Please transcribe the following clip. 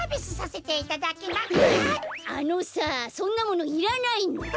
あのさそんなものいらないんだ！